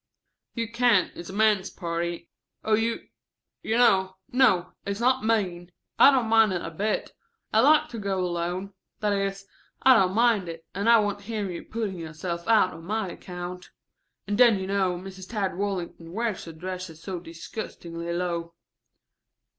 You can't, it's a men's party. Oh, you 'Y, no, it's not mean. I don't mind it a bit. I like to go alone that is, I don't mind it, and I won't hear to your putting yourself out on my account. And then you know, Mrs. Tad Wallington wears her dresses so disgustingly low."